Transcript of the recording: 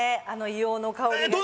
あの硫黄の香り